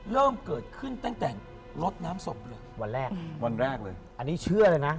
เริ่มเกิดขึ้นตั้งแต่รถน้ำศพเลยวันแรกอันนี้เชื่อเลยนะ